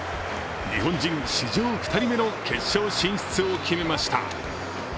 日本人史上２人目の決勝進出を決めました。